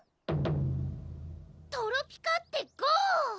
「トロピカってＧＯ！」